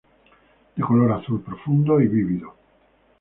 De color azul profundo y vivido.